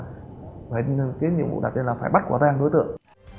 phải cái nhiệm vụ đặt ra là phải bắt quả tang đối tượng